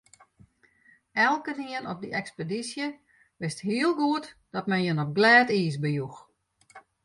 Elkenien op dy ekspedysje wist hiel goed dat men jin op glêd iis bejoech.